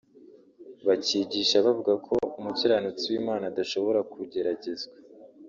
bakigisha bavuga ko umukiranutsi w’Imana adashobora kugeragezwa